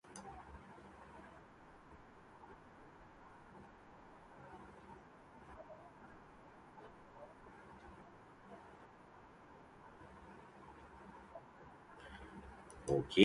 A 'matai' title is collectively 'owned' by families through blood ties and kinship.